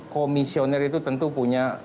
komisioner itu tentu punya